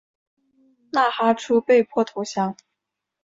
纳哈出被迫投降。